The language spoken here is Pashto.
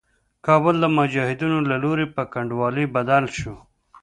کابل د مجاهدينو له لوري په کنډوالي بدل شو.